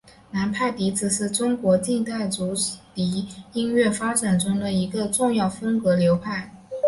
南派笛子是中国近代竹笛音乐发展中的一个重要风格流派。